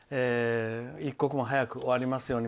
一刻も早く終わりますように。